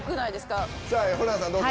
ホランさん、どうぞ。